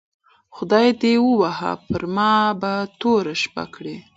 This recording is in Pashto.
خدای دي ووهه پر ما به توره شپه کړې